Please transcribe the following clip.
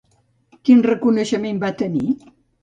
Quin reconeixement va tenir?